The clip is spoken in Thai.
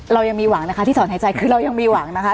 เรายังมีหวังนะคะที่ถอนหายใจคือเรายังมีหวังนะคะ